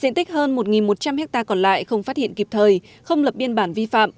diện tích hơn một một trăm linh hectare còn lại không phát hiện kịp thời không lập biên bản vi phạm